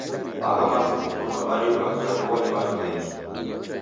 Agha matuku kunywa mariw'a ghanyughwa ni w'andu w'engi.